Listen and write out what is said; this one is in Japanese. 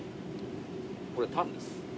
これタンです。